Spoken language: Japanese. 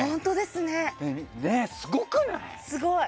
すごくない？